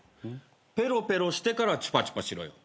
ペロペロしてからチュパチュパしろよ。